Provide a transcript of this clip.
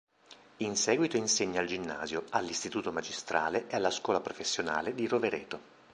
In seguito insegna al Ginnasio, all'Istituto magistrale e alla Scuola professionale di Rovereto.